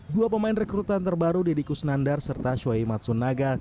dua pemain rekrutan terbaru deddy kusnandar serta shoyi matsunaga